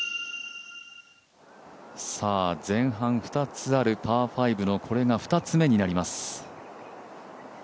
前半２つあるパー５のこれが２つ目になります。